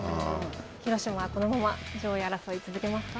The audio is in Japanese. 広島、このまま上位争いを続けますか。